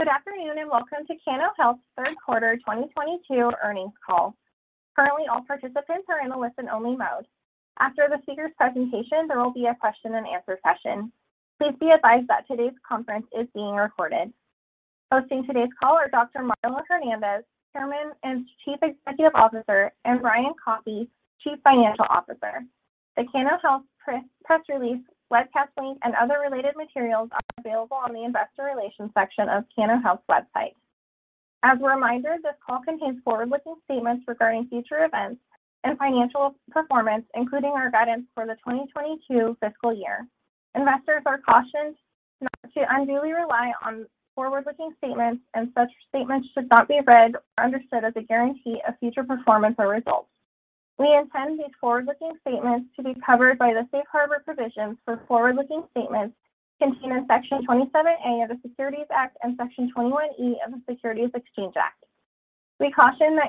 Good afternoon, and welcome to Cano Health third quarter 2022 earnings call. Currently, all participants are in a listen-only mode. After the speaker's presentation, there will be a question-and-answer session. Please be advised that today's conference is being recorded. Hosting today's call are Dr. Marlow Hernandez, Chairman and Chief Executive Officer, and Brian Koppy, Chief Financial Officer. The Cano Health press release, webcast link, and other related materials are available on the investor relations section of Cano Health's website. As a reminder, this call contains forward-looking statements regarding future events and financial performance, including our guidance for the 2022 fiscal year. Investors are cautioned not to unduly rely on forward-looking statements, and such statements should not be read or understood as a guarantee of future performance or results. We intend these forward-looking statements to be covered by the safe harbor provisions for forward-looking statements contained in Section 27A of the Securities Act and Section 21E of the Securities Exchange Act. We caution you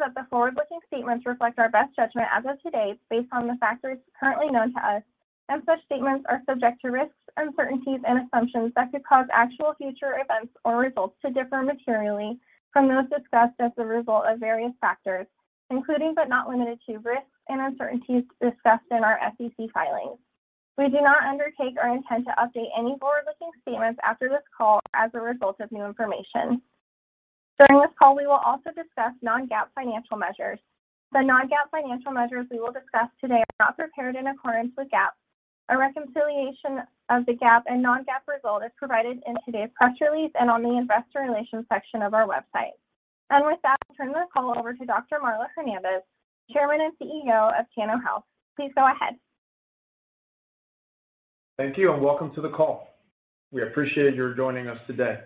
that the forward-looking statements reflect our best judgment as of today based on the factors currently known to us, and such statements are subject to risks, uncertainties, and assumptions that could cause actual future events or results to differ materially from those discussed as a result of various factors, including but not limited to risks and uncertainties discussed in our SEC filings. We do not undertake or intend to update any forward-looking statements after this call as a result of new information. During this call, we will also discuss non-GAAP financial measures. The non-GAAP financial measures we will discuss today are not prepared in accordance with GAAP. A reconciliation of the GAAP and non-GAAP result is provided in today's press release and on the investor relations section of our website. With that, I'll turn the call over to Dr. Marlow Hernandez, Chairman and CEO of Cano Health. Please go ahead. Thank you, and welcome to the call. We appreciate your joining us today.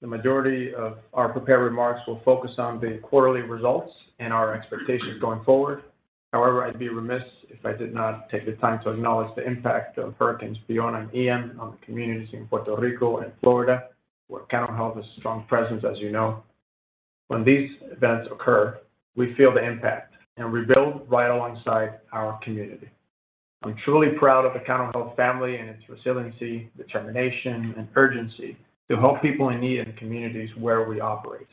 The majority of our prepared remarks will focus on the quarterly results and our expectations going forward. However, I'd be remiss if I did not take the time to acknowledge the impact of Hurricane Fiona and Hurricane Ian on the communities in Puerto Rico and Florida, where Cano Health has a strong presence, as you know. When these events occur, we feel the impact and rebuild right alongside our community. I'm truly proud of the Cano Health family and its resiliency, determination, and urgency to help people in need in the communities where we operate.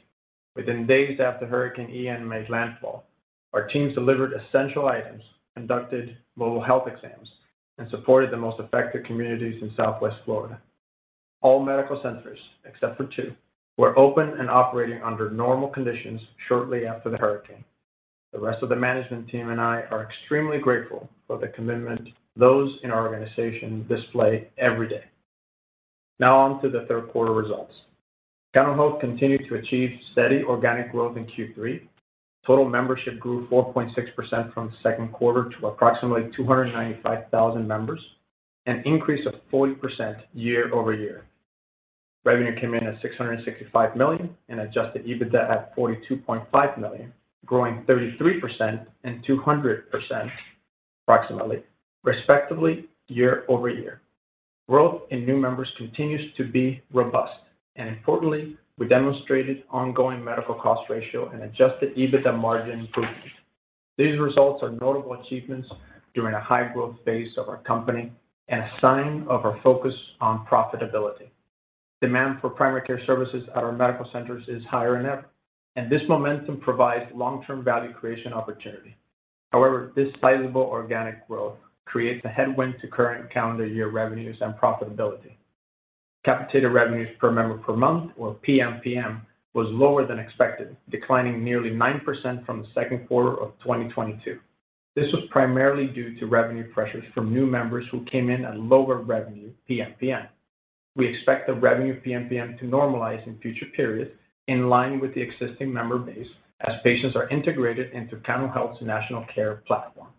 Within days after Hurricane Ian made landfall, our teams delivered essential items, conducted mobile health exams, and supported the most affected communities in Southwest Florida. All medical centers, except for two, were open and operating under normal conditions shortly after the hurricane. The rest of the management team and I are extremely grateful for the commitment those in our organization display every day. Now on to the third quarter results. Cano Health continued to achieve steady organic growth in Q3. Total membership grew 4.6% from second quarter to approximately 295,000 members, an increase of 40% year-over-year. Revenue came in at $665 million, and adjusted EBITDA at $42.5 million, growing 33% and 200% approximately, respectively year-over-year. Growth in new members continues to be robust, and importantly, we demonstrated ongoing medical cost ratio and adjusted EBITDA margin improvement. These results are notable achievements during a high-growth phase of our company and a sign of our focus on profitability. Demand for primary care services at our medical centers is higher than ever, and this momentum provides long-term value creation opportunity. However, this sizable organic growth creates a headwind to current calendar year revenues and profitability. Capitated revenues per member per month, or PMPM, was lower than expected, declining nearly 9% from the second quarter of 2022. This was primarily due to revenue pressures from new members who came in at lower revenue PMPM. We expect the revenue PMPM to normalize in future periods in line with the existing member base as patients are integrated into Cano Health's National Care Platform.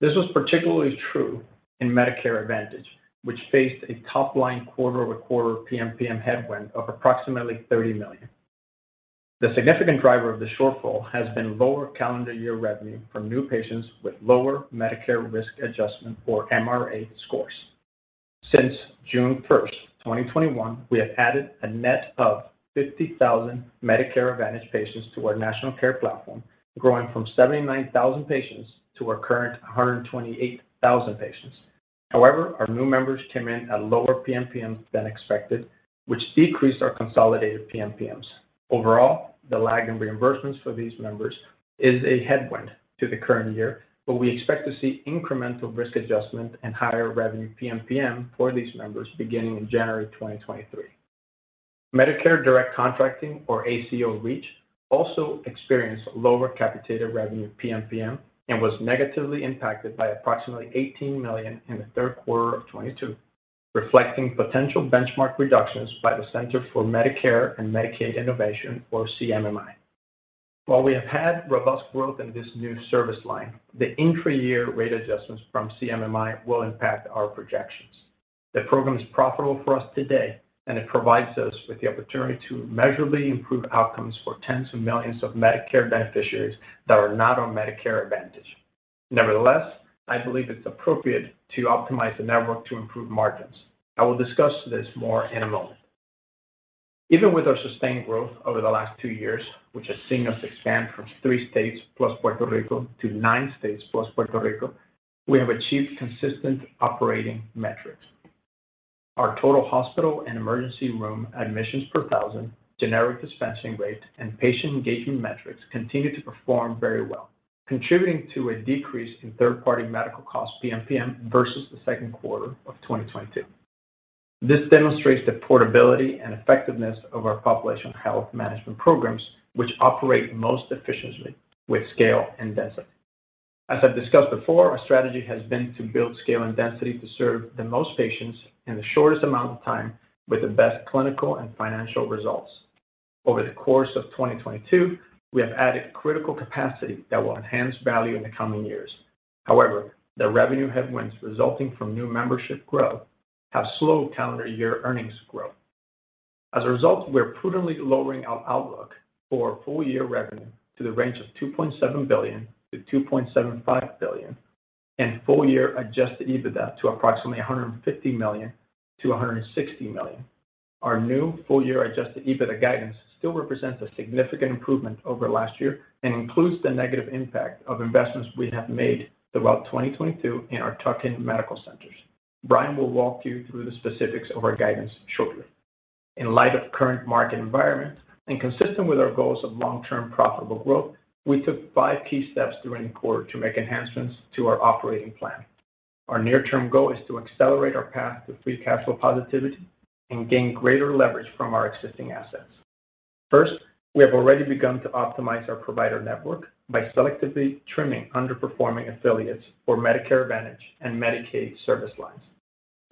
This was particularly true in Medicare Advantage, which faced a top-line quarter-over-quarter PMPM headwind of approximately $30 million. The significant driver of the shortfall has been lower calendar year revenue from new patients with lower Medicare risk adjustment or MRA scores. Since June 1, 2021, we have added a net of 50,000 Medicare Advantage patients to our National Care Platform, growing from 79,000 patients to our current 128,000 patients. However, our new members came in at lower PMPM than expected, which decreased our consolidated PMPMs. Overall, the lag in reimbursements for these members is a headwind to the current year, but we expect to see incremental risk adjustment and higher revenue PMPM for these members beginning in January 2023. Medicare Direct Contracting or ACO REACH also experienced lower capitated revenue PMPM and was negatively impacted by approximately $18 million in the third quarter of 2022, reflecting potential benchmark reductions by the Center for Medicare and Medicaid Innovation or CMMI. While we have had robust growth in this new service line, the intra-year rate adjustments from CMMI will impact our projections. The program is profitable for us today, and it provides us with the opportunity to measurably improve outcomes for tens of millions of Medicare beneficiaries that are not on Medicare Advantage. Nevertheless, I believe it's appropriate to optimize the network to improve margins. I will discuss this more in a moment. Even with our sustained growth over the last two years, which has seen us expand from three states plus Puerto Rico to nine states plus Puerto Rico, we have achieved consistent operating metrics. Our total hospital and emergency room admissions per 1,000, generic dispensing rate, and patient engagement metrics continue to perform very well, contributing to a decrease in third-party medical costs, PMPM, versus the second quarter of 2022. This demonstrates the portability and effectiveness of our population health management programs, which operate most efficiently with scale and density. As I've discussed before, our strategy has been to build scale and density to serve the most patients in the shortest amount of time with the best clinical and financial results. Over the course of 2022, we have added critical capacity that will enhance value in the coming years. However, the revenue headwinds resulting from new membership growth have slowed calendar year earnings growth. As a result, we're prudently lowering our outlook for full-year revenue to the range of $2.7 billion-$2.75 billion and full-year adjusted EBITDA to approximately $150 million-$160 million. Our new full-year adjusted EBITDA guidance still represents a significant improvement over last year and includes the negative impact of investments we have made throughout 2022 in our tuck-in medical centers. Brian will walk you through the specifics of our guidance shortly. In light of current market environments and consistent with our goals of long-term profitable growth, we took five key steps during the quarter to make enhancements to our operating plan. Our near-term goal is to accelerate our path to free cash flow positivity and gain greater leverage from our existing assets. First, we have already begun to optimize our provider network by selectively trimming underperforming affiliates for Medicare Advantage and Medicaid service lines.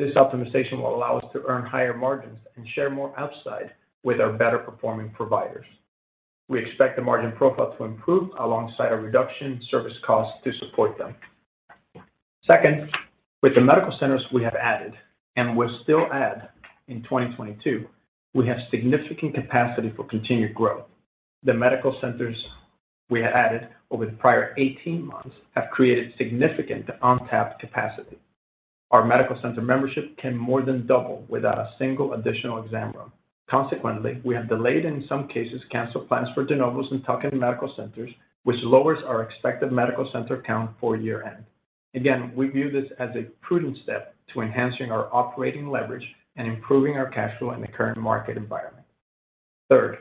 This optimization will allow us to earn higher margins and share more upside with our better-performing providers. We expect the margin profile to improve alongside a reduction in service costs to support them. Second, with the medical centers we have added and will still add in 2022, we have significant capacity for continued growth. The medical centers we have added over the prior 18 months have created significant untapped capacity. Our medical center membership can more than double without a single additional exam room. Consequently, we have delayed, in some cases, canceled plans for de novos and tuck-in medical centers, which lowers our expected medical center count for year-end. Again, we view this as a prudent step to enhancing our operating leverage and improving our cash flow in the current market environment. Third,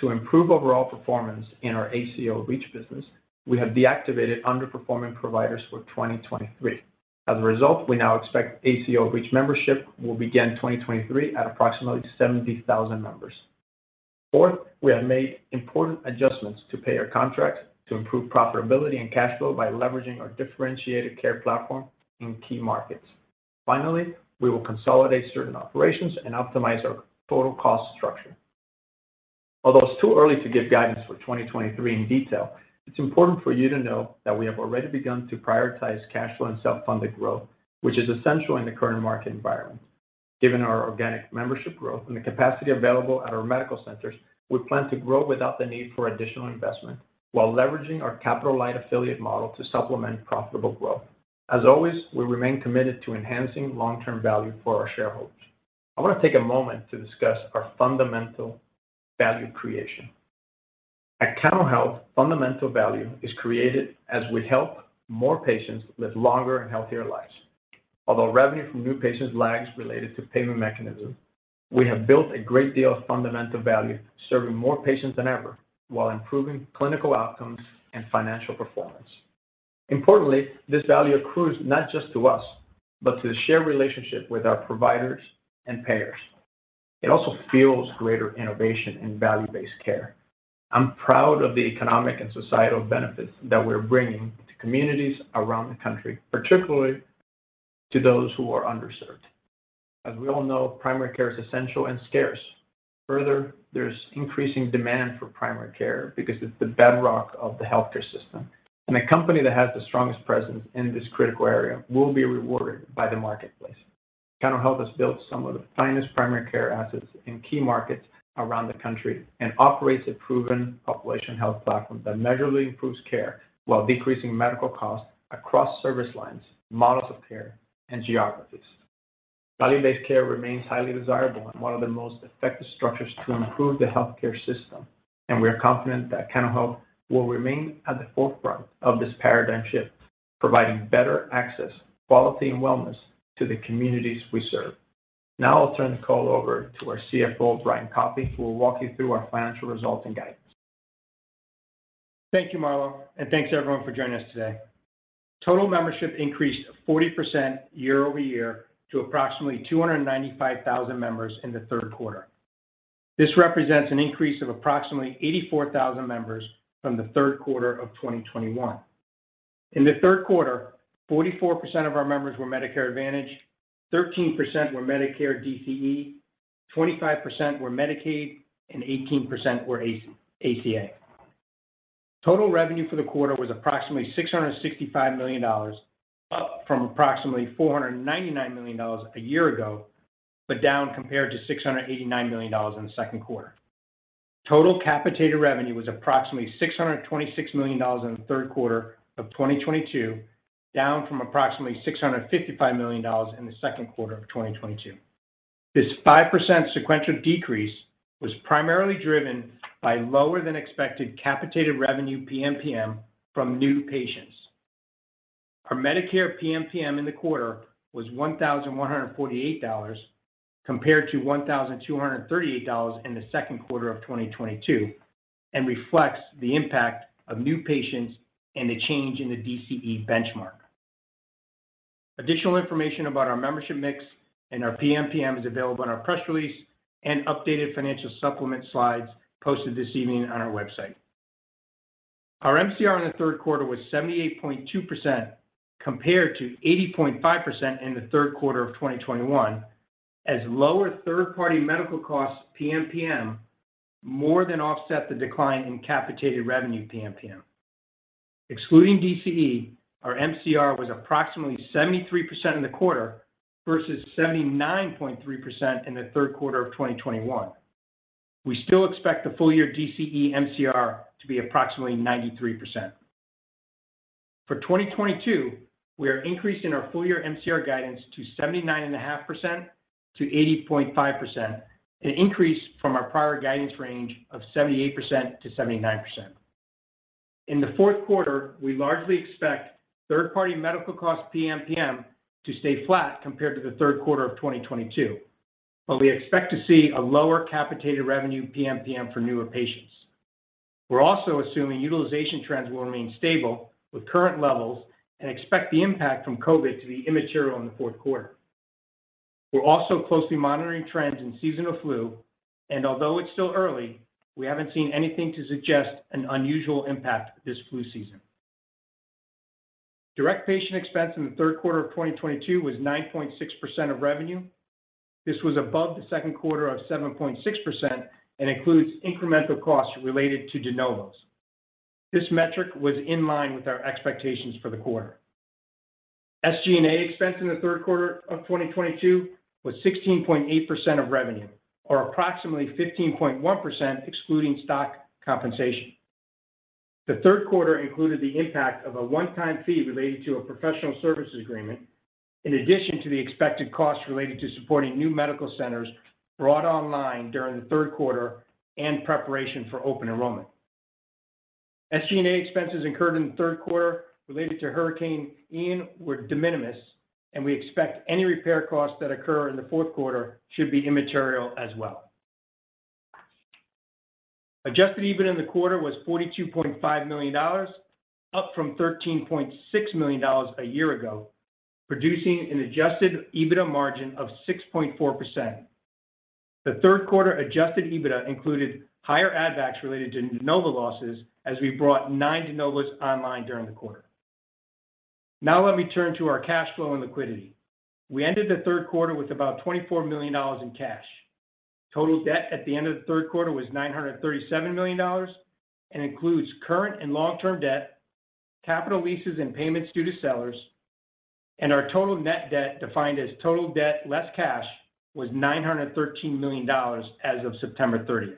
to improve overall performance in our ACO REACH business, we have deactivated underperforming providers for 2023. As a result, we now expect ACO REACH membership will begin 2023 at approximately 70,000 members. Fourth, we have made important adjustments to payer contracts to improve profitability and cash flow by leveraging our differentiated care platform in key markets. Finally, we will consolidate certain operations and optimize our total cost structure. Although it's too early to give guidance for 2023 in detail, it's important for you to know that we have already begun to prioritize cash flow and self-funded growth, which is essential in the current market environment. Given our organic membership growth and the capacity available at our medical centers, we plan to grow without the need for additional investment while leveraging our capital-light affiliate model to supplement profitable growth. As always, we remain committed to enhancing long-term value for our shareholders. I want to take a moment to discuss our fundamental value creation. At Cano Health, fundamental value is created as we help more patients live longer and healthier lives. Although revenue from new patients lags related to payment mechanisms, we have built a great deal of fundamental value, serving more patients than ever while improving clinical outcomes and financial performance. Importantly, this value accrues not just to us, but to the shared relationship with our providers and payers. It also fuels greater innovation in value-based care. I'm proud of the economic and societal benefits that we're bringing to communities around the country, particularly to those who are underserved. As we all know, primary care is essential and scarce. Further, there's increasing demand for primary care because it's the bedrock of the healthcare system. A company that has the strongest presence in this critical area will be rewarded by the marketplace. Cano Health has built some of the finest primary care assets in key markets around the country and operates a proven population health platform that measurably improves care while decreasing medical costs across service lines, models of care, and geographies. Value-based care remains highly desirable and one of the most effective structures to improve the healthcare system. We are confident that Cano Health will remain at the forefront of this paradigm shift, providing better access, quality, and wellness to the communities we serve. Now I'll turn the call over to our CFO, Brian Koppy, who will walk you through our financial results and guidance. Thank you, Marlow, and thanks everyone for joining us today. Total membership increased 40% year-over-year to approximately 295,000 members in the third quarter. This represents an increase of approximately 84,000 members from the third quarter of 2021. In the third quarter, 44% of our members were Medicare Advantage, 13% were Medicare DCE, 25% were Medicaid, and 18% were ACA. Total revenue for the quarter was approximately $665 million, up from approximately $499 million a year ago, but down compared to $689 million in the second quarter. Total capitated revenue was approximately $626 million in the third quarter of 2022, down from approximately $655 million in the second quarter of 2022. This 5% sequential decrease was primarily driven by lower than expected capitated revenue PMPM from new patients. Our Medicare PMPM in the quarter was $1,148 compared to $1,238 in the second quarter of 2022, and reflects the impact of new patients and the change in the DCE benchmark. Additional information about our membership mix and our PMPM is available on our press release and updated financial supplement slides posted this evening on our website. Our MCR in the third quarter was 78.2% compared to 80.5% in the third quarter of 2021, as lower third-party medical costs PMPM more than offset the decline in capitated revenue PMPM. Excluding DCE, our MCR was approximately 73% in the quarter versus 79.3% in the third quarter of 2021. We still expect the full year DCE MCR to be approximately 93%. For 2022, we are increasing our full year MCR guidance to 79.5%-80.5%, an increase from our prior guidance range of 78%-79%. In the fourth quarter, we largely expect third-party medical costs PMPM to stay flat compared to the third quarter of 2022, but we expect to see a lower capitated revenue PMPM for newer patients. We're also assuming utilization trends will remain stable with current levels, and expect the impact from COVID to be immaterial in the fourth quarter. We're also closely monitoring trends in seasonal flu, and although it's still early, we haven't seen anything to suggest an unusual impact this flu season. Direct patient expense in the third quarter of 2022 was 9.6% of revenue. This was above the second quarter of 7.6% and includes incremental costs related to de novos. This metric was in line with our expectations for the quarter. SG&A expense in the third quarter of 2022 was 16.8% of revenue, or approximately 15.1% excluding stock compensation. The third quarter included the impact of a one-time fee related to a professional services agreement, in addition to the expected costs related to supporting new medical centers brought online during the third quarter and preparation for open enrollment. SG&A expenses incurred in the third quarter related to Hurricane Ian were de minimis, and we expect any repair costs that occur in the fourth quarter should be immaterial as well. Adjusted EBITDA in the quarter was $42.5 million, up from $13.6 million a year ago, producing an adjusted EBITDA margin of 6.4%. The third quarter adjusted EBITDA included higher add backs related to de novo losses as we brought nine de novos online during the quarter. Now let me turn to our cash flow and liquidity. We ended the third quarter with about $24 million in cash. Total debt at the end of the third quarter was $937 million and includes current and long-term debt, capital leases and payments due to sellers. Our total net debt, defined as total debt less cash, was $913 million as of September 30.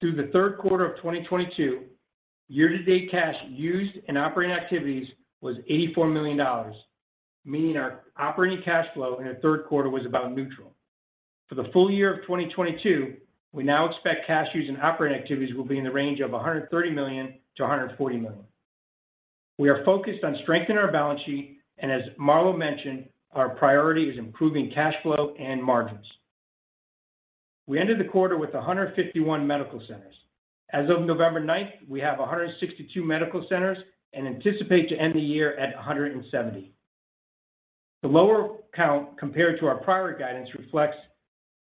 Through the third quarter of 2022, year-to-date cash used in operating activities was $84 million, meaning our operating cash flow in the third quarter was about neutral. For the full year of 2022, we now expect cash used in operating activities will be in the range of $130 million-$140 million. We are focused on strengthening our balance sheet, and as Marlow mentioned, our priority is improving cash flow and margins. We ended the quarter with 151 medical centers. As of November 9, we have 162 medical centers and anticipate to end the year at 170. The lower count compared to our prior guidance reflects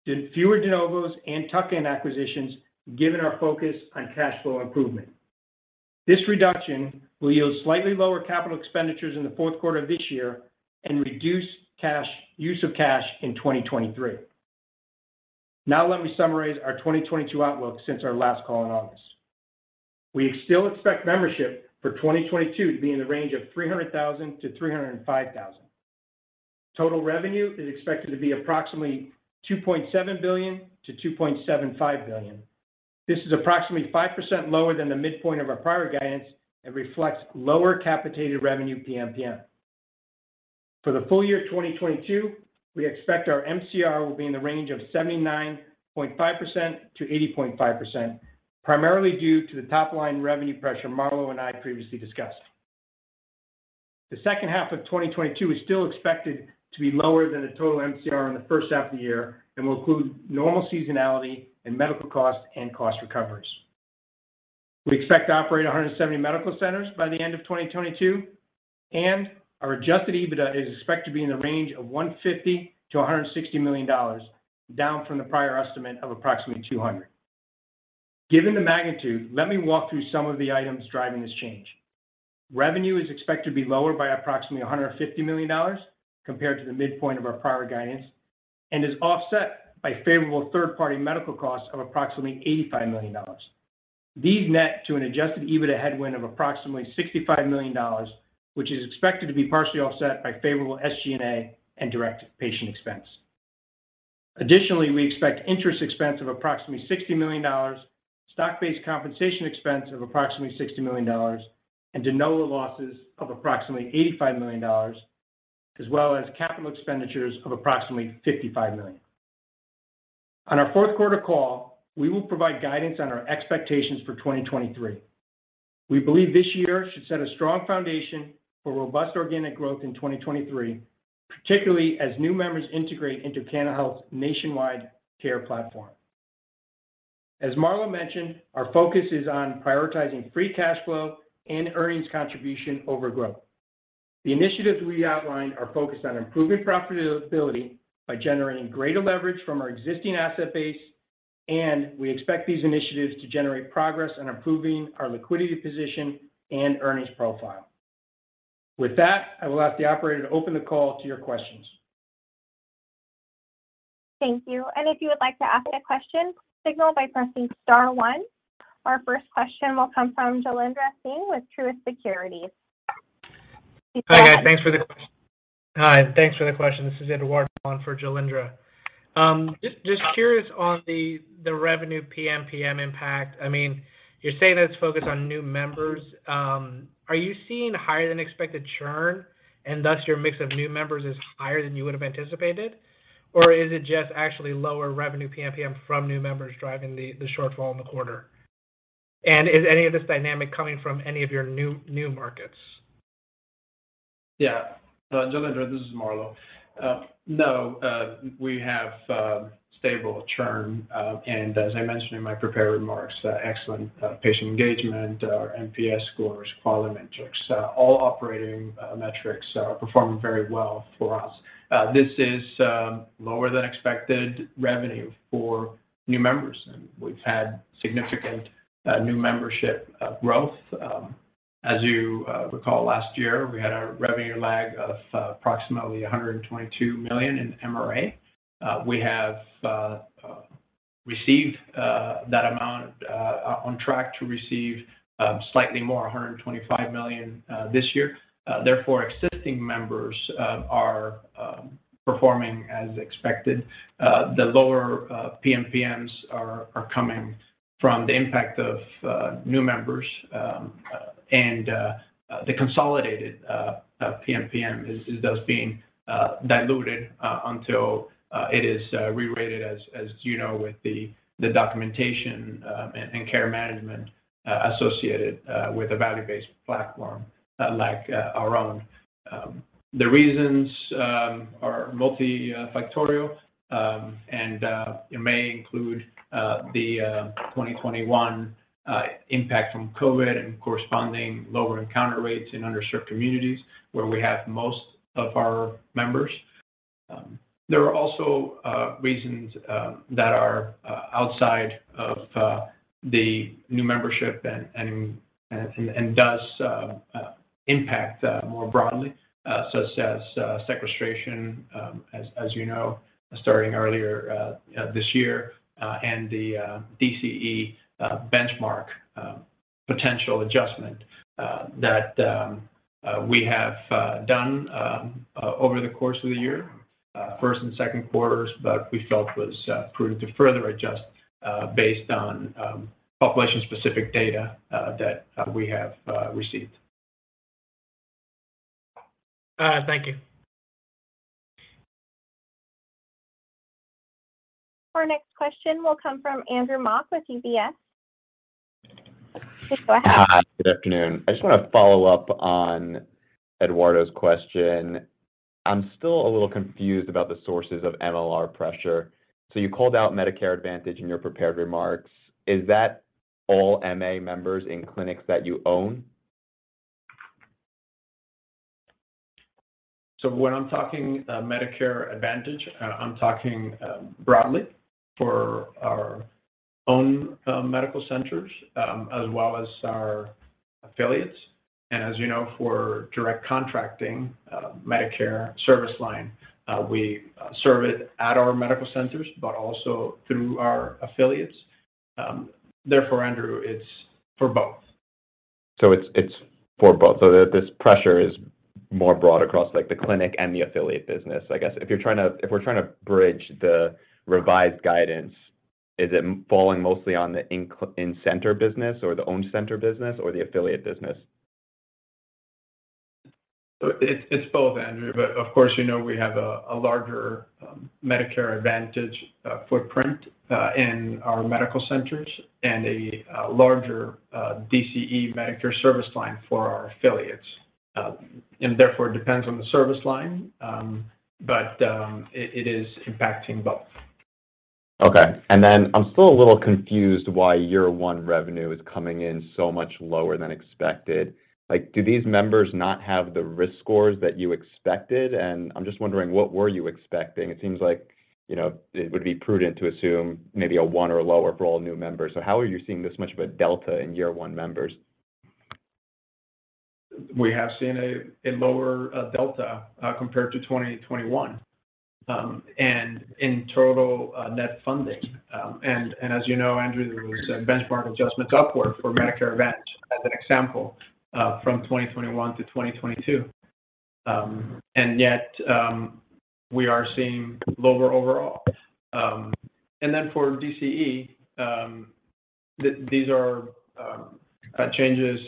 the fewer de novos and tuck-in acquisitions given our focus on cash flow improvement. This reduction will yield slightly lower capital expenditures in the fourth quarter of this year and reduce cash use of cash in 2023. Now let me summarize our 2022 outlook since our last call in August. We still expect membership for 2022 to be in the range of 300,000-305,000. Total revenue is expected to be approximately $2.7 billion-$2.75 billion. This is approximately 5% lower than the midpoint of our prior guidance and reflects lower capitated revenue PMPM. For the full year 2022, we expect our MCR will be in the range of 79.5%-80.5%, primarily due to the top-line revenue pressure Marlow and I previously discussed. The second half of 2022 is still expected to be lower than the total MCR in the first half of the year and will include normal seasonality in medical costs and cost recoveries. We expect to operate 170 medical centers by the end of 2022, and our adjusted EBITDA is expected to be in the range of $150-$160 million, down from the prior estimate of approximately $200 million. Given the magnitude, let me walk through some of the items driving this change. Revenue is expected to be lower by approximately $150 million compared to the midpoint of our prior guidance, and is offset by favorable third-party medical costs of approximately $85 million. These net to an adjusted EBITDA headwind of approximately $65 million, which is expected to be partially offset by favorable SG&A and direct patient expense. Additionally, we expect interest expense of approximately $60 million, stock-based compensation expense of approximately $60 million, and de novo losses of approximately $85 million, as well as capital expenditures of approximately $55 million. On our fourth quarter call, we will provide guidance on our expectations for 2023. We believe this year should set a strong foundation for robust organic growth in 2023, particularly as new members integrate into Cano Health's National Care Platform. As Marlow mentioned, our focus is on prioritizing free cash flow and earnings contribution over growth. The initiatives we outlined are focused on improving profitability by generating greater leverage from our existing asset base, and we expect these initiatives to generate progress on improving our liquidity position and earnings profile. With that, I will ask the operator to open the call to your questions. Thank you. If you would like to ask a question, signal by pressing star one. Our first question will come from Jailendra Singh with Truist Securities. Please go ahead. Hi, guys. Thanks for the question. This is Eduardo on for Jailendra. Just curious on the revenue PMPM impact. I mean, you're saying it's focused on new members. Are you seeing higher than expected churn, and thus your mix of new members is higher than you would have anticipated? Or is it just actually lower revenue PMPM from new members driving the shortfall in the quarter? Is any of this dynamic coming from any of your new markets? Yeah. Jailendra, this is Marlow. No, we have stable churn, and as I mentioned in my prepared remarks, excellent patient engagement, our NPS scores, quality metrics, all operating metrics are performing very well for us. This is lower than expected revenue for new members, and we've had significant new membership growth. As you recall last year, we had a revenue lag of approximately $122 million in MRA. We have received that amount, on track to receive slightly more, $125 million, this year. Therefore, existing members are performing as expected. The lower PMPMs are coming from the impact of new members, and the consolidated PMPM is thus being diluted until it is rerated, as you know, with the documentation and care management associated with a value-based platform like our own. The reasons are multifactorial, and it may include the 2021 impact from COVID and corresponding lower encounter rates in underserved communities where we have most of our members. There are also reasons that are outside of the new membership and does impact more broadly, such as sequestration, as you know, starting earlier this year, and the DCE benchmark potential adjustment that we have done over the course of the year, first and second quarters, but we felt was prudent to further adjust based on population specific data that we have received. Thank you. Our next question will come from Andrew Mok with UBS. Please go ahead. Hi. Good afternoon. I just wanna follow up on Eduardo's question. I'm still a little confused about the sources of MLR pressure. You called out Medicare Advantage in your prepared remarks. Is that all MA members in clinics that you own? When I'm talking Medicare Advantage, I'm talking broadly for our own medical centers as well as our affiliates. As you know, for direct contracting Medicare service line, we serve it at our medical centers, but also through our affiliates. Therefore, Andrew, it's for both. It's for both. This pressure is more broad across, like, the clinic and the affiliate business. I guess, if we're trying to bridge the revised guidance, is it falling mostly on the in-center business or the owned center business or the affiliate business? It's both, Andrew, but of course, you know, we have a larger Medicare Advantage footprint in our medical centers and a larger DCE Medicare service line for our affiliates. Therefore, it depends on the service line, but it is impacting both. Okay. Then I'm still a little confused why year one revenue is coming in so much lower than expected. Like, do these members not have the risk scores that you expected? I'm just wondering, what were you expecting? It seems like, you know, it would be prudent to assume maybe a one or lower for all new members. How are you seeing this much of a delta in year one members? We have seen a lower delta compared to 2021 and in total net funding. As you know, Andrew, there was a benchmark adjustment upward for Medicare Advantage as an example from 2021-2022. We are seeing lower overall. For DCE, these are changes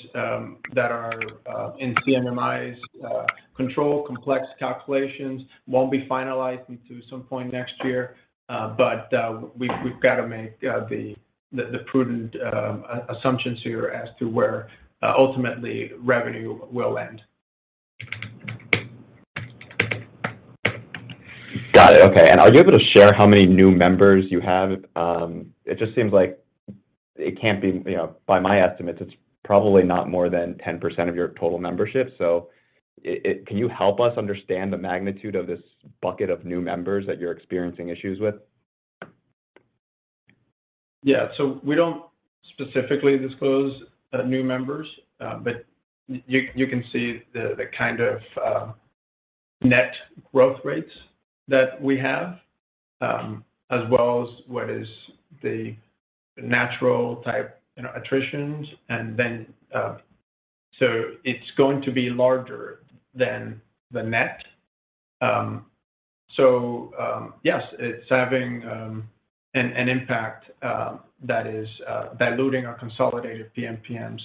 that are in CMMI's control complex calculations, won't be finalized until some point next year. We've got to make the prudent assumptions here as to where ultimately revenue will end. Got it. Okay. Are you able to share how many new members you have? It just seems like it can't be, you know, by my estimates, it's probably not more than 10% of your total membership. Can you help us understand the magnitude of this bucket of new members that you're experiencing issues with? Yeah. We don't specifically disclose new members, but you can see the kind of net growth rates that we have, as well as what is the natural type, you know, attritions. It's going to be larger than the net. Yes, it's having an impact that is diluting our consolidated PMPMs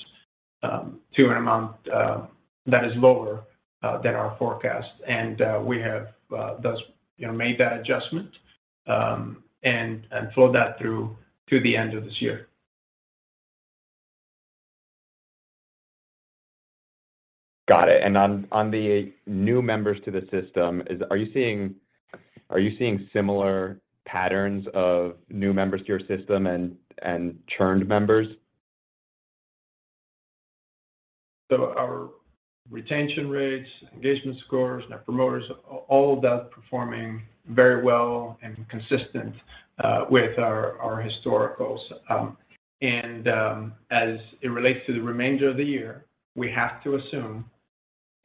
to an amount that is lower than our forecast. We have thus, you know, made that adjustment and flow that through to the end of this year. Got it. On the new members to the system, are you seeing similar patterns of new members to your system and churned members? Our retention rates, engagement scores, net promoters, all of that performing very well and consistent with our historicals. As it relates to the remainder of the year, we have to assume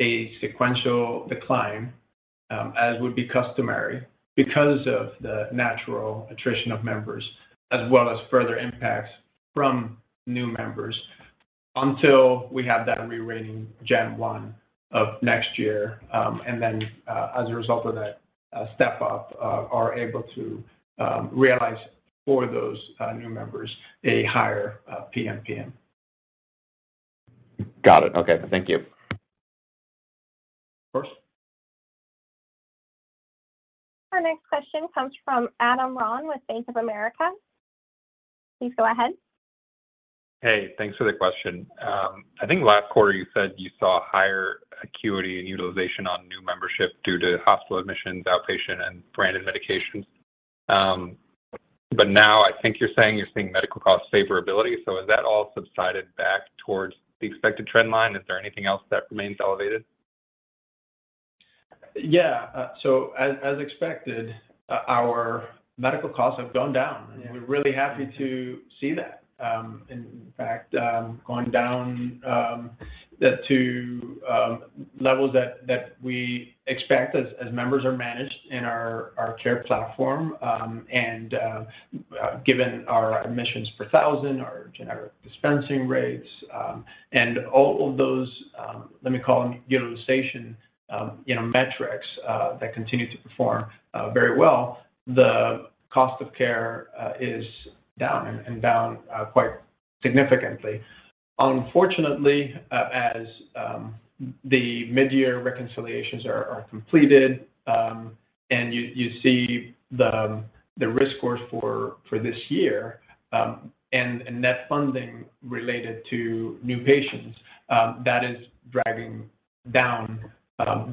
a sequential decline as would be customary because of the natural attrition of members, as well as further impacts from new members until we have that rerating January 1 of next year. As a result of that step up are able to realize for those new members a higher PMPM. Got it. Okay. Thank you. Of course. Our next question comes from Kevin Fischbeck with Bank of America. Please go ahead. Hey, thanks for the question. I think last quarter you said you saw higher acuity and utilization on new membership due to hospital admissions, outpatient, and branded medications. Now I think you're saying you're seeing medical costs favorability. Has that all subsided back towards the expected trend line? Is there anything else that remains elevated? Yeah. As expected, our medical costs have gone down, and we're really happy to see that. In fact, going down to levels that we expect as members are managed in our care platform. Given our admissions per thousand, our generic dispensing rates, and all of those, let me call them utilization, you know, metrics, that continue to perform very well, the cost of care is down quite significantly. Unfortunately, as the mid-year reconciliations are completed, and you see the risk scores for this year, and net funding related to new patients, that is dragging down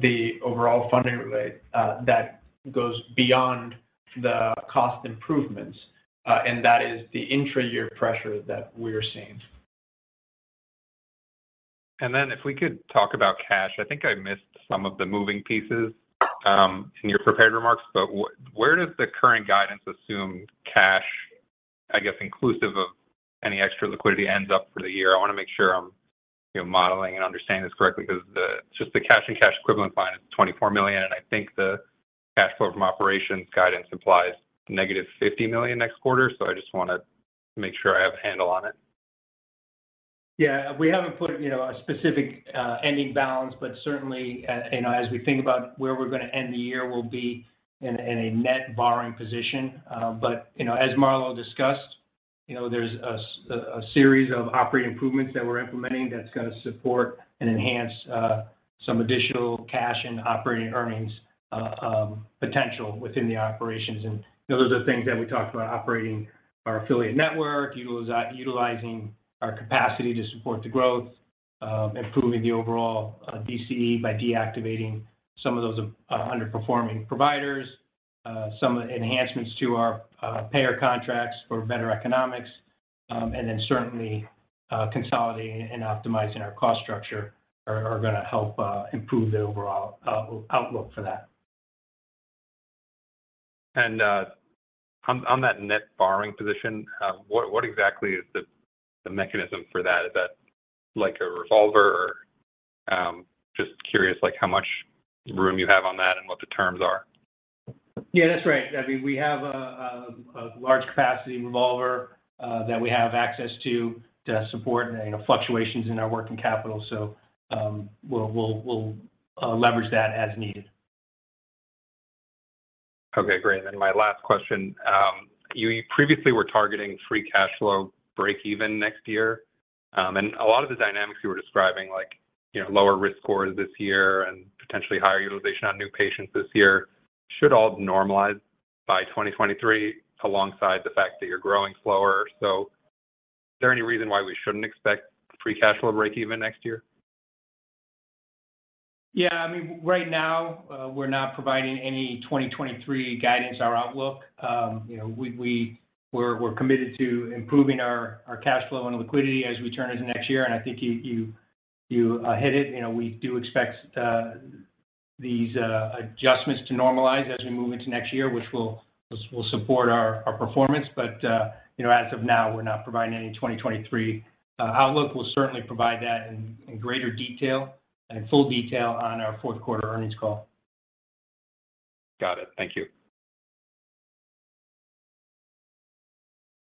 the overall funding that goes beyond the cost improvements, and that is the intra-year pressure that we're seeing. If we could talk about cash. I think I missed some of the moving pieces in your prepared remarks, but where does the current guidance assume cash, I guess, inclusive of any extra liquidity ends up for the year? I want to make sure I'm, you know, modeling and understanding this correctly because just the cash and cash equivalent line is $24 million, and I think the cash flow from operations guidance implies -$50 million next quarter. I just wanna make sure I have a handle on it. Yeah. We haven't put, you know, a specific ending balance, but certainly, you know, as we think about where we're going to end the year, we'll be in a net borrowing position. You know, as Marlow discussed, you know, there's a series of operating improvements that we're implementing that's going to support and enhance some additional cash and operating earnings potential within the operations. Those are the things that we talked about operating our affiliate network, utilizing our capacity to support the growth, improving the overall DCE by deactivating some of those underperforming providers, some enhancements to our payer contracts for better economics, and then certainly consolidating and optimizing our cost structure are gonna help improve the overall outlook for that. On that net borrowing position, what exactly is the mechanism for that? Is that like a revolver? Or, just curious, like, how much room you have on that and what the terms are. Yeah, that's right. I mean, we have a large capacity revolver that we have access to support, you know, fluctuations in our working capital. So, we'll leverage that as needed. Okay, great. My last question. You previously were targeting free cash flow breakeven next year. A lot of the dynamics you were describing, like, you know, lower risk scores this year and potentially higher utilization on new patients this year should all normalize by 2023 alongside the fact that you're growing slower. Is there any reason why we shouldn't expect free cash flow breakeven next year? Yeah. I mean, right now, we're not providing any 2023 guidance, our outlook. You know, we're committed to improving our cash flow and liquidity as we turn into next year. I think you hit it. You know, we do expect these adjustments to normalize as we move into next year, which will support our performance. You know, as of now, we're not providing any 2023 outlook. We'll certainly provide that in greater detail and in full detail on our fourth quarter earnings call. Got it. Thank you.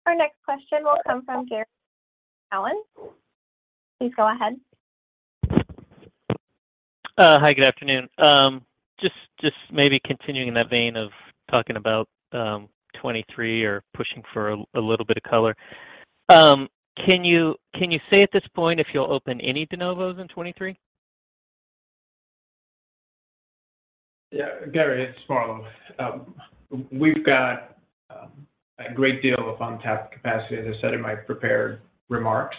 Our next question will come from Gary Taylor. Please go ahead. Hi, good afternoon. Just maybe continuing in that vein of talking about 2023 or pushing for a little bit of color. Can you say at this point if you'll open any de novos in 2023? Yeah, Gary, it's Marlow. We've got a great deal of untapped capacity, as I said in my prepared remarks.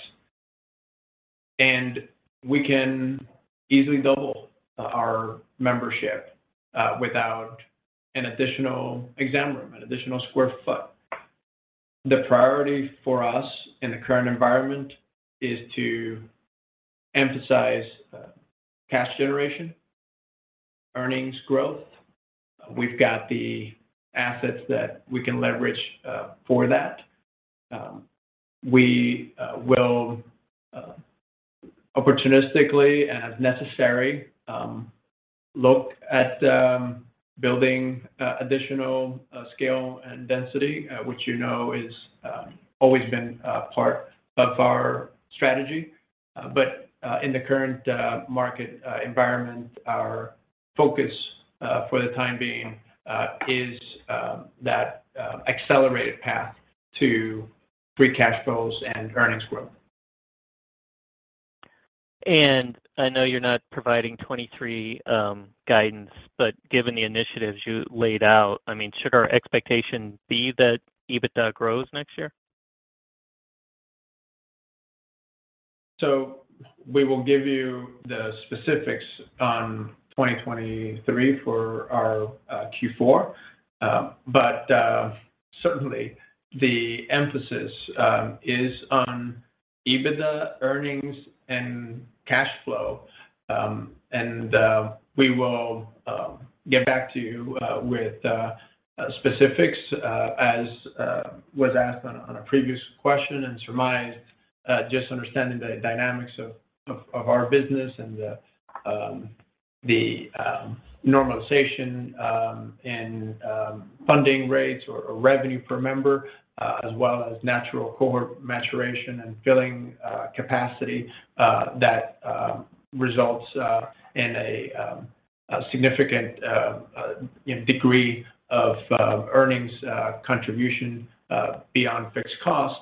We can easily double our membership without an additional exam room, an additional square foot. The priority for us in the current environment is to emphasize cash generation, earnings growth. We've got the assets that we can leverage for that. We will opportunistically and as necessary look at building additional scale and density, which, you know, is always been a part of our strategy. In the current market environment, our focus for the time being is that accelerated path to free cash flows and earnings growth. I know you're not providing 2023 guidance, but given the initiatives you laid out, I mean, should our expectation be that EBITDA grows next year? We will give you the specifics on 2023 for our Q4. Certainly the emphasis is on EBITDA earnings and cash flow. We will get back to you with specifics as was asked on a previous question and surmised, just understanding the dynamics of our business and the normalization in funding rates or revenue per member, as well as natural cohort maturation and filling capacity that results in a significant you know degree of earnings contribution beyond fixed costs.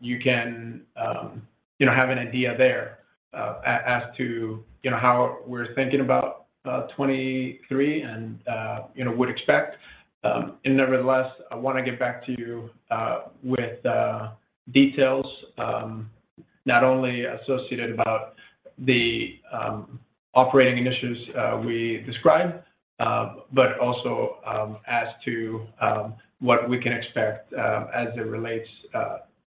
You can you know have an idea there as to you know how we're thinking about 2023 and you know would expect. Nevertheless, I wanna get back to you with details not only associated with the operating initiatives we described but also as to what we can expect as it relates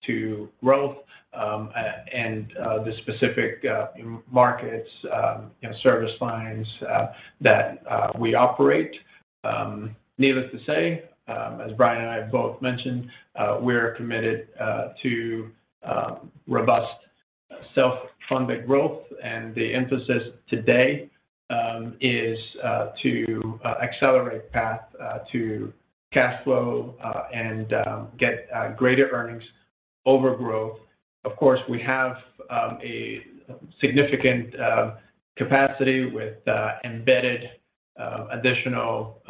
to growth and the specific markets, you know, service lines that we operate. Needless to say, as Brian and I both mentioned, we're committed to robust self-funded growth, and the emphasis today is to accelerate path to cash flow and get greater earnings over growth. Of course, we have a significant capacity with embedded additional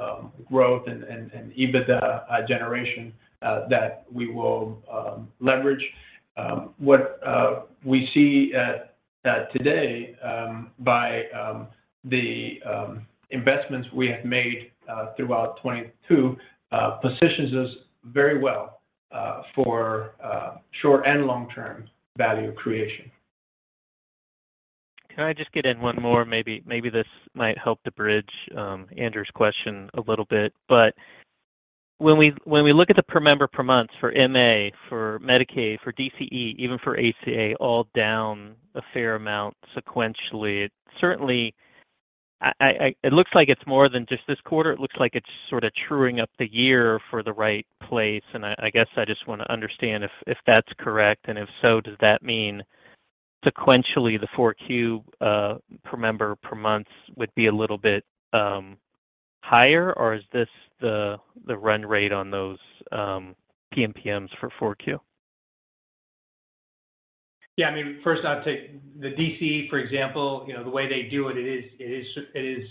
growth and EBITDA generation that we will leverage. What we see today by the investments we have made throughout 2022 positions us very well for short and long-term value creation. Can I just get in one more? Maybe this might help to bridge Andrew's question a little bit. When we look at the per member per month for MA, for Medicaid, for DCE, even for ACA, all down a fair amount sequentially, certainly I, it looks like it's more than just this quarter. It looks like it's sort of truing up the year for the right place, and I guess I just want to understand if that's correct, and if so, does that mean sequentially, the 4Q per member per month would be a little bit higher, or is this the run rate on those PMPMs for 4Q? Yeah. I mean, first I'd say the DCE, for example, you know, the way they do it is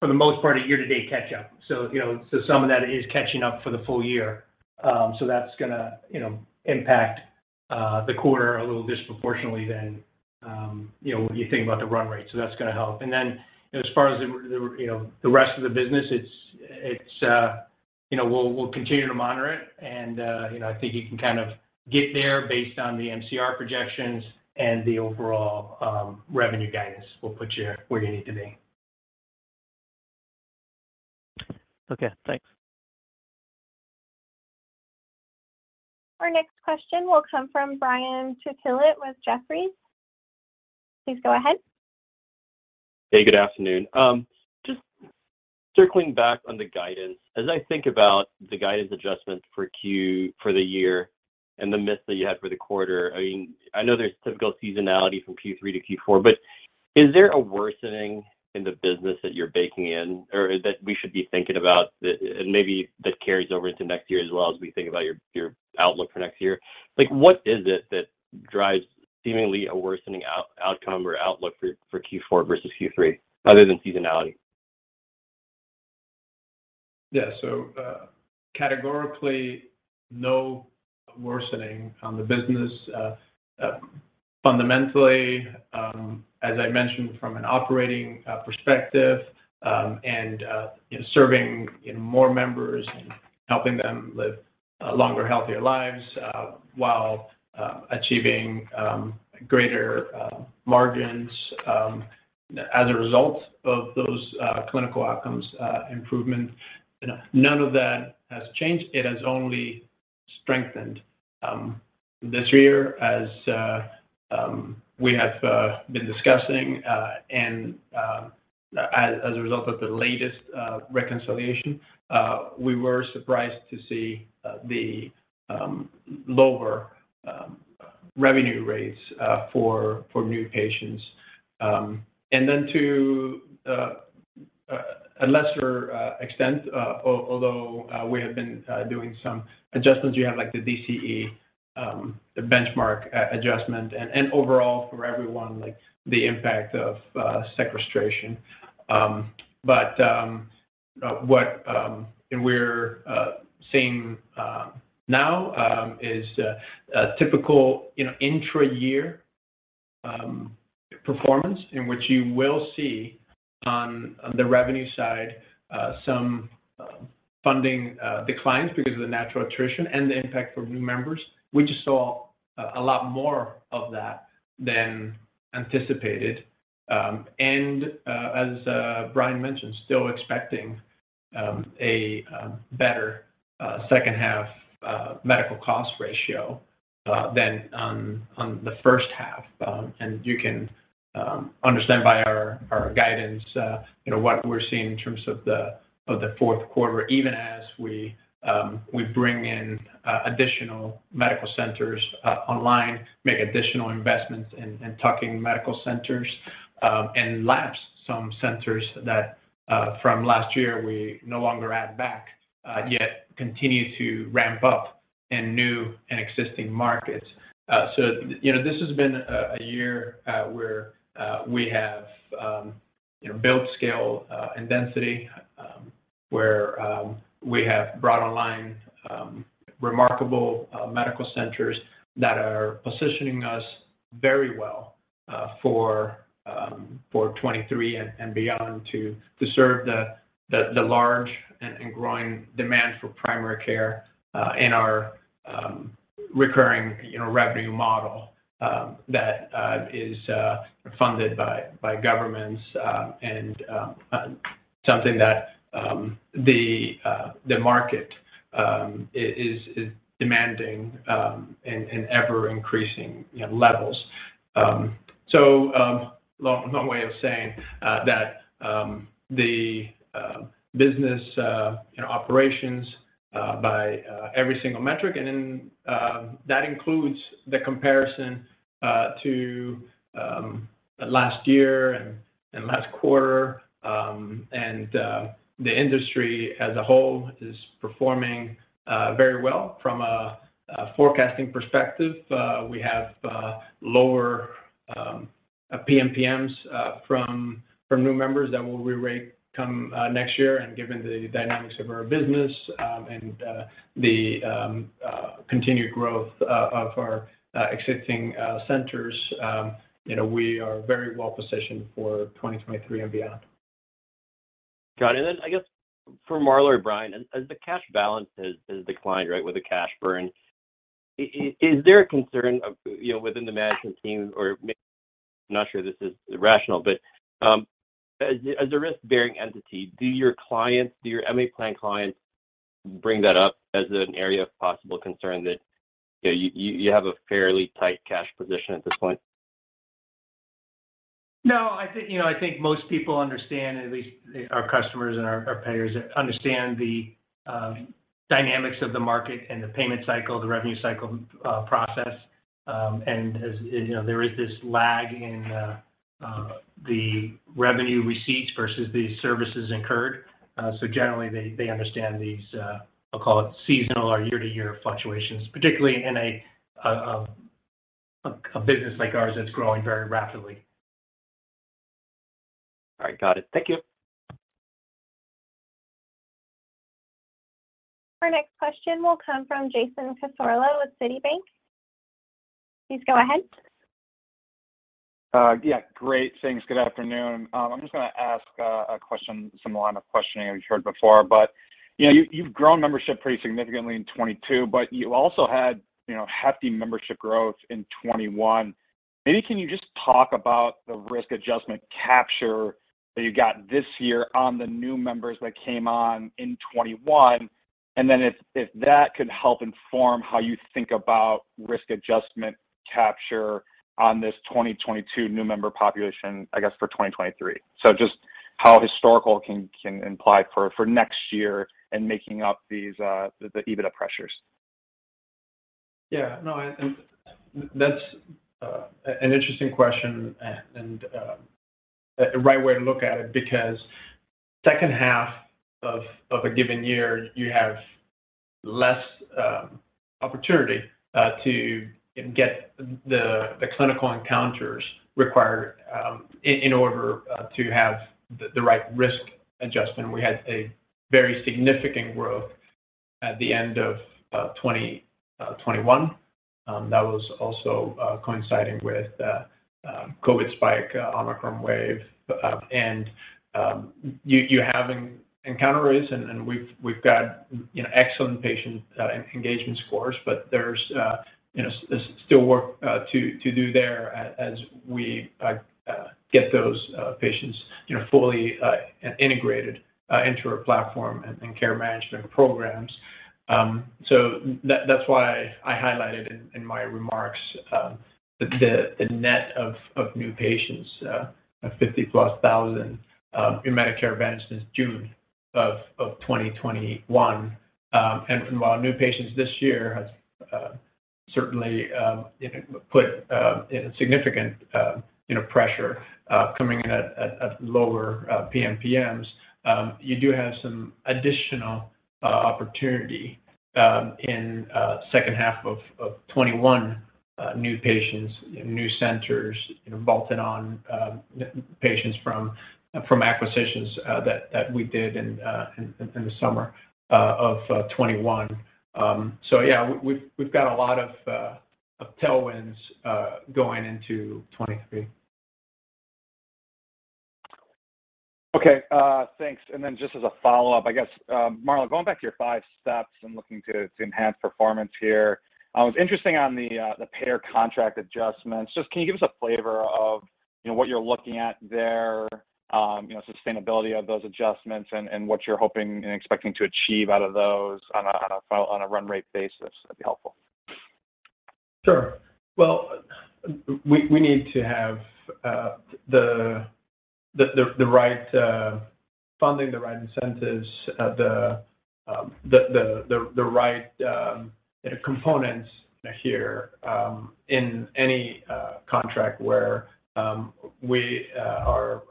for the most part, a year-to-date catch-up. You know, some of that is catching up for the full year. That's gonna, you know, impact the quarter a little disproportionately than, you know, when you think about the run rate. That's gonna help. Then, you know, as far as the, you know, the rest of the business, it's, you know, we'll continue to monitor it, and, you know, I think you can kind of get there based on the MCR projections, and the overall, revenue guidance will put you where you need to be. Okay, thanks. Our next question will come from Brian Tanquilut with Jefferies. Please go ahead. Hey, good afternoon. Just circling back on the guidance. As I think about the guidance adjustment for Q4 for the year, and the miss that you had for the quarter, I mean, I know there's typical seasonality from Q3-Q4, but is there a worsening in the business that you're baking in or that we should be thinking about that, and maybe that carries over into next year as well, as we think about your outlook for next year? Like, what is it that drives seemingly a worsening outcome or outlook for Q4 versus Q3, other than seasonality? Yeah. Categorically, no worsening on the business. Fundamentally, as I mentioned from an operating perspective, and you know, serving you know, more members and helping them live longer, healthier lives while achieving greater margins as a result of those clinical outcomes improvement. You know, none of that has changed. It has only strengthened. This year as we have been discussing, and as a result of the latest reconciliation, we were surprised to see the lower revenue rates for new patients. Then to a lesser extent, although we have been doing some adjustments, you have like the DCE, the benchmark adjustment, and overall for everyone, like the impact of sequestration. What we're seeing now is a typical, you know, intra-year performance in which you will see on the revenue side some funding declines because of the natural attrition and the impact from new members. We just saw a lot more of that than anticipated. As Brian mentioned, still expecting a better second half medical cost ratio than on the first half. You can understand by our guidance, you know, what we're seeing in terms of the fourth quarter, even as we bring in additional medical centers online, make additional investments in tuck-in medical centers, and lapse some centers that from last year we no longer add back, yet continue to ramp up in new and existing markets. You know, this has been a year where we have you know built scale and density, where we have brought online remarkable medical centers that are positioning us very well for 2023 and beyond to serve the large and growing demand for primary care in our recurring you know revenue model that is funded by governments and something that the market is demanding in ever increasing you know levels. Long way of saying that the business you know operations by every single metric, and then that includes the comparison to last year and last quarter. The industry as a whole is performing very well from a forecasting perspective. We have lower PMPMs from new members that will re-rate come next year, and given the dynamics of our business and the continued growth of our existing centers, you know, we are very well positioned for 2023 and beyond. Got it. I guess for Marlow or Brian, as the cash balance has declined, right, with the cash burn, is there a concern of, you know, within the management team or maybe I'm not sure this is rational, but, as a risk-bearing entity, do your clients, do your MA plan clients bring that up as an area of possible concern that, you know, you have a fairly tight cash position at this point. No, I think, you know, I think most people understand, at least our customers and our payers understand the dynamics of the market and the payment cycle, the revenue cycle, process. As, you know, there is this lag in the revenue receipts versus the services incurred. Generally, they understand these, I'll call it seasonal or year-to-year fluctuations, particularly in a business like ours that's growing very rapidly. All right, got it. Thank you. Our next question will come from Jason Cassorla with Citi. Please go ahead. Yeah, great. Thanks. Good afternoon. I'm just gonna ask a question, similar line of questioning as you've heard before. You know, you've grown membership pretty significantly in 2022, but you also had, you know, hefty membership growth in 2021. Maybe can you just talk about the risk adjustment capture that you got this year on the new members that came on in 2021? If that could help inform how you think about risk adjustment capture on this 2022 new member population, I guess, for 2023. Just how historical can imply for next year in making up these, the EBITDA pressures. Yeah, no, that's an interesting question and the right way to look at it, because second half of a given year, you have less opportunity to get the clinical encounters required in order to have the right risk adjustment. We had a very significant growth at the end of 2021 that was also coinciding with COVID spike, Omicron wave. You have encounters, and we've got you know, excellent patient engagement scores, but there's you know, there's still work to do there as we get those patients you know, fully integrated into our platform and care management programs. That's why I highlighted in my remarks the net of new patients of 50+ thousand in Medicare Advantage since June of 2021. While new patients this year has certainly you know put a significant you know pressure coming in at lower PMPMs, you do have some additional opportunity in second half of 2021, new patients, new centers, you know, bolted on, you know, patients from acquisitions that we did in the summer of 2021. Yeah, we've got a lot of tailwinds going into 2023. Okay, thanks. Then just as a follow-up, I guess, Marlow, going back to your five steps and looking to enhance performance here, it's interesting on the payer contract adjustments. Just can you give us a flavor of what you're looking at there, you know, sustainability of those adjustments and what you're hoping and expecting to achieve out of those on a run rate basis? That'd be helpful. Sure. Well, we need to have the right funding, the right incentives, the right components here in any contract where we are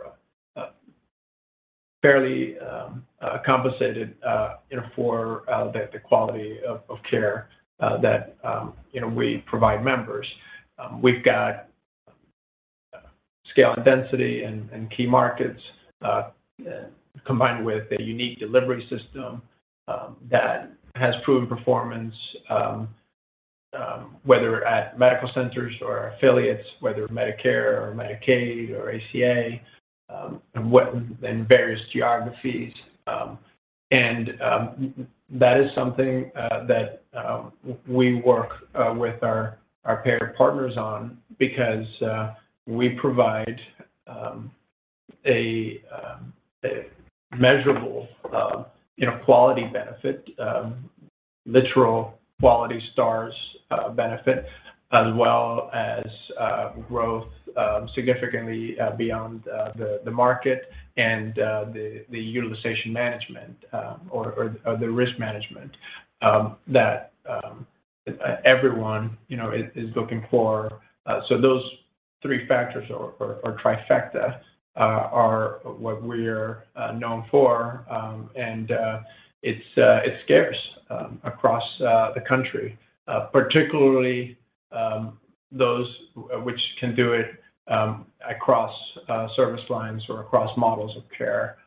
fairly compensated, you know, for the quality of care that you know we provide members. We've got scale and density in key markets combined with a unique delivery system that has proven performance whether at medical centers or affiliates, whether Medicare or Medicaid or ACA, and in various geographies. That is something that we work with our payer partners on because we provide a measurable, you know, quality benefit, literal quality stars benefit, as well as growth significantly beyond the market and the utilization management or the risk management that everyone, you know, is looking for. Those three factors or trifecta are what we're known for, and it's scarce across the country, particularly those which can do it across service lines or across models of care,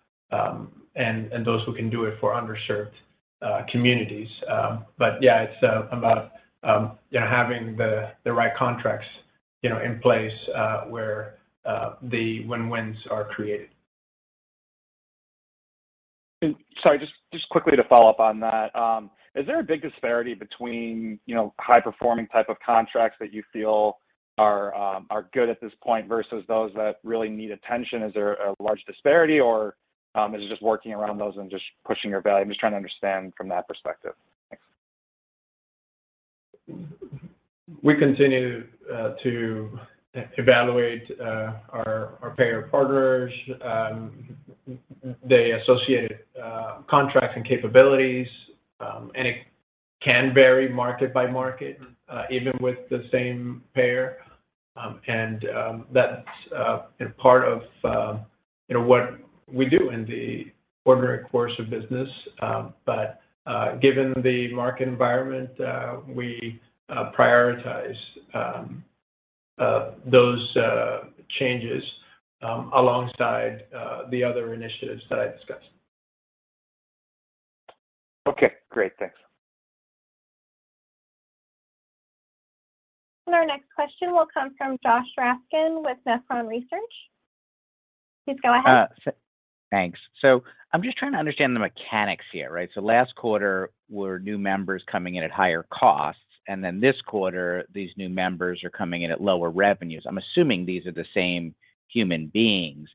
and those who can do it for underserved communities. Yeah, it's about, you know, having the right contracts, you know, in place where the win-wins are created. Sorry, just quickly to follow up on that. Is there a big disparity between, you know, high performing type of contracts that you feel are good at this point versus those that really need attention. Is there a large disparity or, is it just working around those and just pushing your value? I'm just trying to understand from that perspective. Thanks. We continue to evaluate our payer partners, the associated contracts and capabilities, and it can vary market by market, even with the same payer. That's part of, you know, what we do in the ordinary course of business. Given the market environment, we prioritize those changes alongside the other initiatives that I discussed. Okay, great. Thanks. Our next question will come from Josh Raskin with Nephron Research. Please go ahead. Thanks. I'm just trying to understand the mechanics here, right? Last quarter were new members coming in at higher costs, and then this quarter, these new members are coming in at lower revenues. I'm assuming these are the same human beings.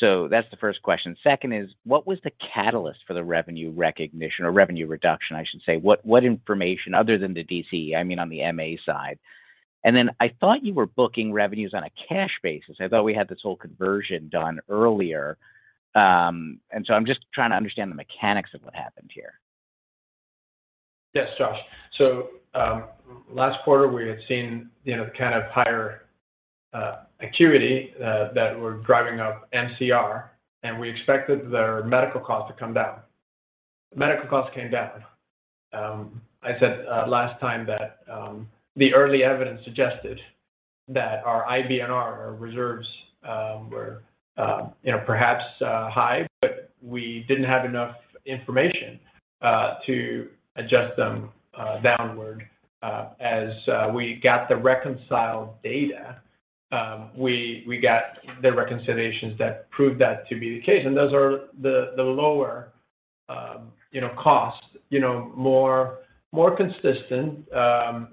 That's the first question. Second is, what was the catalyst for the revenue recognition or revenue reduction, I should say? What information other than the DCE, I mean, on the MA side. Then I thought you were booking revenues on a cash basis. I thought we had this whole conversion done earlier. I'm just trying to understand the mechanics of what happened here. Yes, Josh. Last quarter, we had seen, you know, kind of higher acuity that were driving up MCR, and we expected their medical costs to come down. Medical costs came down. I said last time that the early evidence suggested that our IBNR, our reserves were, you know, perhaps high, but we didn't have enough information to adjust them downward. As we got the reconciled data, we got the reconciliations that proved that to be the case. Those are the lower costs, you know, more consistent,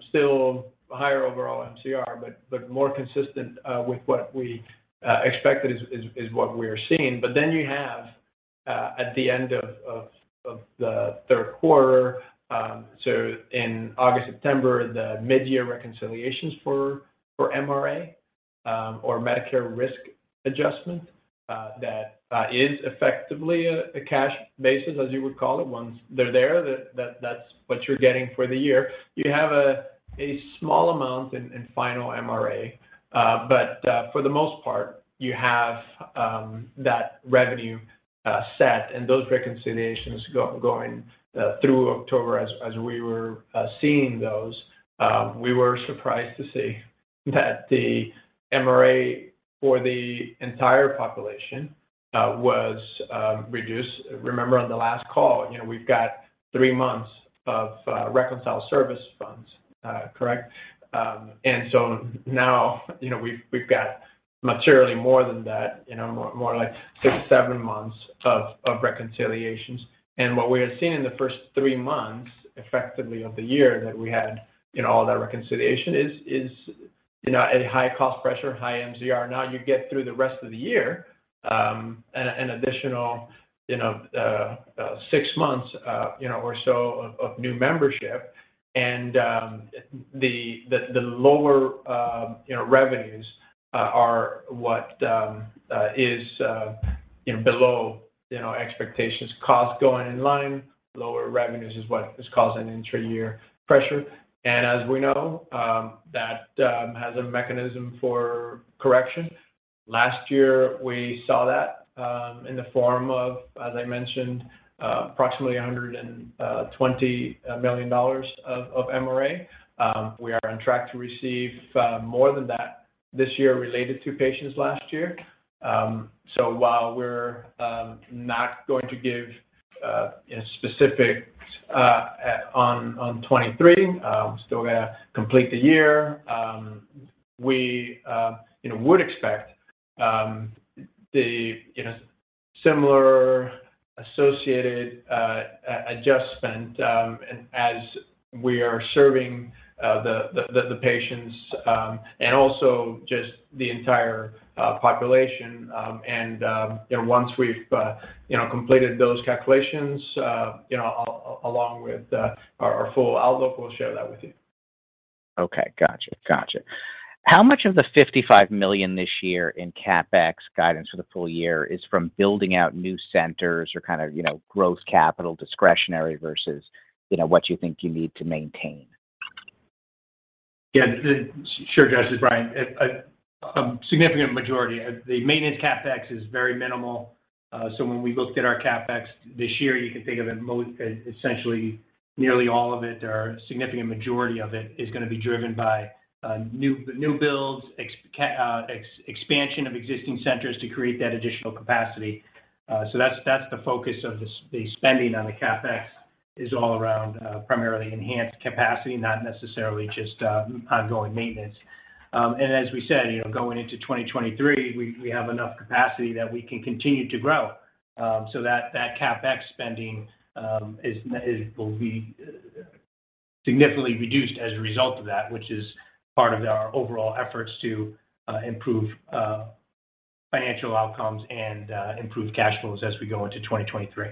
still higher overall MCR, but more consistent with what we expected is what we are seeing. You have at the end of the third quarter, so in August, September, the mid-year reconciliations for MRA, or Medicare risk adjustment, that is effectively a cash basis, as you would call it. Once they're there, that's what you're getting for the year. You have a small amount in final MRA, but for the most part, you have that revenue set, and those reconciliations going through October as we were seeing those. We were surprised to see that the MRA for the entire population was reduced. Remember on the last call, you know, we've got three months of reconciled service funds, correct? Now, you know, we've got materially more than that, you know, more like six, seven months of reconciliations. What we had seen in the first three months, effectively of the year that we had, you know, all that reconciliation is, you know, a high cost pressure, high MCR. Now you get through the rest of the year, an additional, you know, six months or so of new membership. The lower, you know, revenues are what is below, you know, expectations. Cost going in line, lower revenues is what is causing intra-year pressure. As we know, that has a mechanism for correction. Last year, we saw that in the form of, as I mentioned, approximately $120 million of MRA. We are on track to receive more than that this year related to patients last year. While we're not going to give you know specifics at on 2023, still gonna complete the year, we you know would expect the you know similar associated adjustment as we are serving the patients and also just the entire population. You know, once we've you know completed those calculations, you know, along with our full outlook, we'll share that with you. Okay. Gotcha. How much of the $55 million this year in CapEx guidance for the full year is from building out new centers or kind of, you know, growth capital discretionary versus, you know, what you think you need to maintain? Yeah. Sure, Josh. It's Brian. A significant majority. The maintenance CapEx is very minimal. When we looked at our CapEx this year, you can think of it most, essentially nearly all of it or a significant majority of it is gonna be driven by new builds, expansion of existing centers to create that additional capacity. That's the focus of the spending on the CapEx is all around primarily enhanced capacity, not necessarily just ongoing maintenance. As we said, you know, going into 2023, we have enough capacity that we can continue to grow. That CapEx spending will be significantly reduced as a result of that, which is part of our overall efforts to improve financial outcomes and improve cash flows as we go into 2023.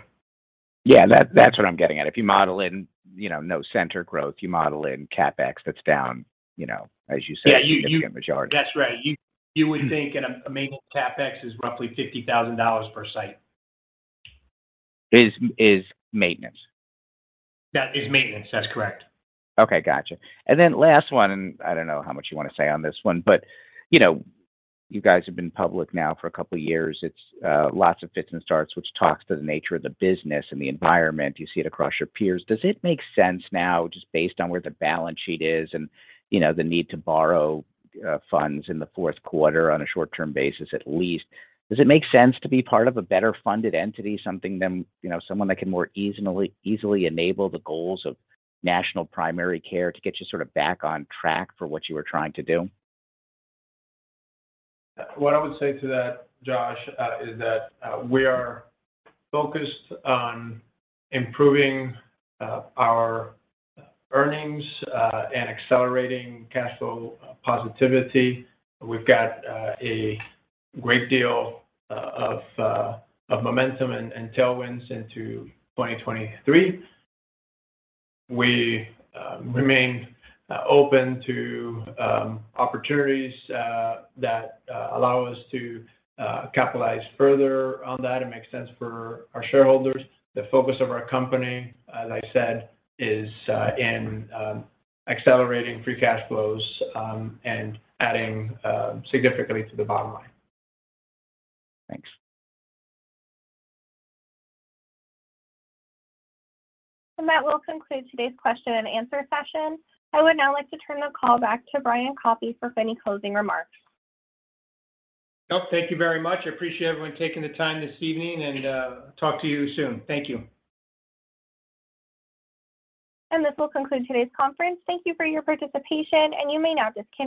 Yeah. That's what I'm getting at. If you model in, you know, no center growth, you model in CapEx, that's down, you know, as you said. Yeah. significant majority. That's right. You would think in a maintenance CapEx is roughly $50,000 per site. Is maintenance? That is maintenance, that's correct. Okay. Gotcha. Then last one, and I don't know how much you wanna say on this one, but, you know, you guys have been public now for a couple years. It's lots of fits and starts, which talks to the nature of the business and the environment. You see it across your peers. Does it make sense now, just based on where the balance sheet is and, you know, the need to borrow funds in the fourth quarter on a short-term basis at least? Does it make sense to be part of a better funded entity, something than, you know, someone that can more easily enable the goals of National Primary Care to get you sort of back on track for what you were trying to do? What I would say to that, Josh, is that we are focused on improving our earnings and accelerating cash flow positivity. We've got a great deal of momentum and tailwinds into 2023. We remain open to opportunities that allow us to capitalize further on that. It makes sense for our shareholders. The focus of our company, as I said, is in accelerating free cash flows and adding significantly to the bottom line. Thanks. That will conclude today's question and answer session. I would now like to turn the call back to Brian Koppy for any closing remarks. Well, thank you very much. I appreciate everyone taking the time this evening and talk to you soon. Thank you. This will conclude today's conference. Thank you for your participation, and you may now disconnect.